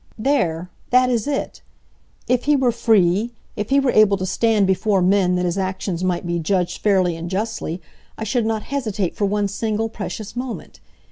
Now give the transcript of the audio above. "There! That is it! If he were free, if he were able to stand before men that his actions might be judged fairly and justly, I should not hesitate for one single, precious moment.